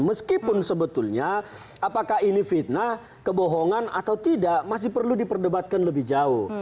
meskipun sebetulnya apakah ini fitnah kebohongan atau tidak masih perlu diperdebatkan lebih jauh